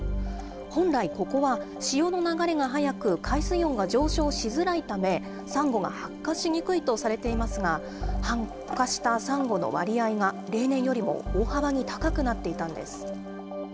本来、ここは潮の流れが速く、海水温が上昇しづらいため、サンゴが白化しにくいとされていますが、白化したサンゴの割合が例年よりも大幅に高くなっていたんです。